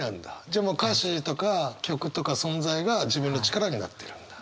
じゃあもう歌詞とか曲とか存在が自分の力になっているんだ？